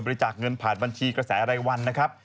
จากเงินผ่านบัญชีกระแสรายวันนะครับ